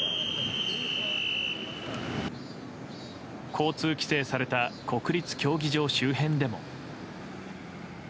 交通規制された国立競技場周辺でも。